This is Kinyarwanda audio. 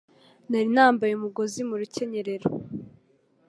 Nari nambaye umugozi mu rukenyerero